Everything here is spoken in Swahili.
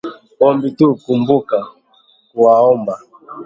ombi tu, kumbuka kuwaomba